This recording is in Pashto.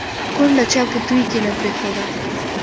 ـ کونډه چا په توى کې نه پرېښوده